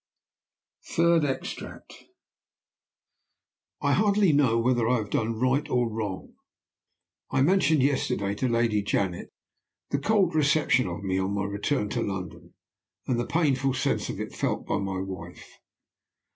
THIRD EXTRACT. "I hardly know whether I have done right or wrong. I mentioned yesterday to Lady Janet the cold reception of me on my return to London, and the painful sense of it felt by my wife.